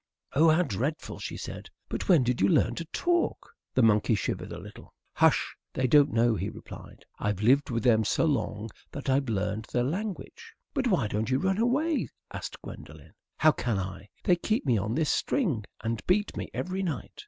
"Oh, how dreadful!" she said. "But when did you learn to talk?" The monkey shivered a little. "Hush, they don't know," he replied. "I've lived with them so long that I've learned their language." "But why don't you run away?" asked Gwendolen. "How can I? They keep me on this string and beat me every night."